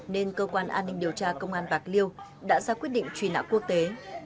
nên cơ quan an ninh điều tra công an bạc liêu đã ra quyết định truy nã quốc tế